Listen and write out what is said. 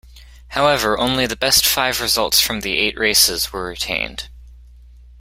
However, only the best five results from the eight races were retained.